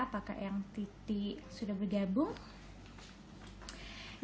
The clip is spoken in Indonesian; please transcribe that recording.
apakah eyang titik sudah bergabung